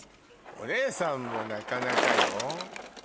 お姉さんもなかなか。